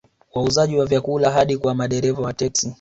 Wauzaji wa vyakula hadi kwa madereva wa teksi